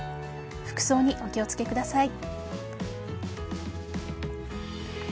服装にお気をつけください。